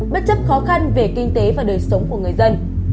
bất chấp khó khăn về kinh tế và đời sống của người dân